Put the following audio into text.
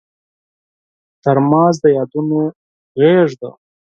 ترموز د یادونو غېږ ده.